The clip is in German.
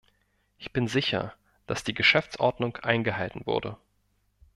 Ich bin sicher, dass die Geschäftsordnung eingehalten wurde.